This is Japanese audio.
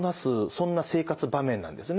そんな生活場面なんですね。